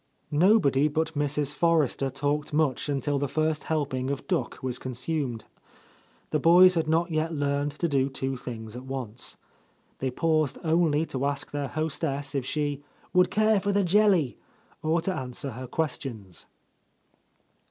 Nobody but Mrs. Forrester talked much until the first helping of duck was consumed. The boys had not yet learned to do two things at once. They paused only to ask their hostess if she "would care for the jelly," or to answer her ques tions.